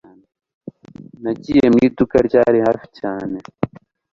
Nagiye mu iduka ryari hafi cyane